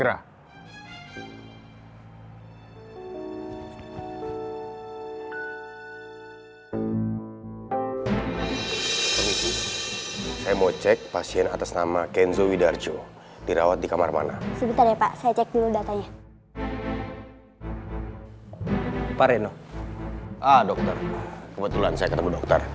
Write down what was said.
ah dokter kebetulan saya ketemu dokter